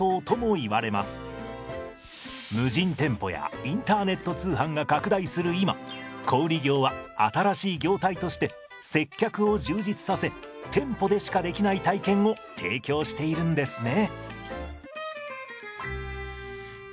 無人店舗やインターネット通販が拡大する今小売業は新しい業態として接客を充実させ店舗でしかできない体験を提供しているんですね。